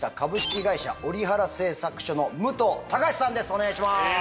お願いします。